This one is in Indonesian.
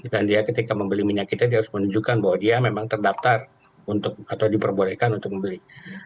dan dia ketika membeli minyak kita dia harus menunjukkan bahwa dia memang terdaftar atau diperbolehkan untuk membeli